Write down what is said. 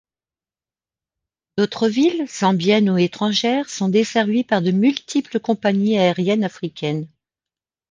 D'autres villes, zambiennes ou étrangères, sont desservies par de multiples compagnies aériennes africaines.